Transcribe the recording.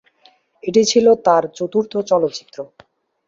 এটি ছিল তাঁর চতুর্থ চলচ্চিত্র।